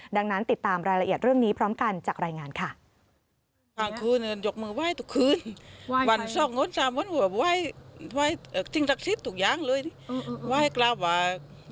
ดังนั้นติดตามรายละเอียดเรื่องนี้พร้อมกันจากรายงานค่ะ